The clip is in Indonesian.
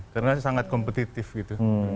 karena sangat kompetitif gitu